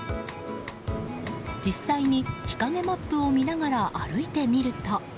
実際に日陰マップを見ながら歩いてみると。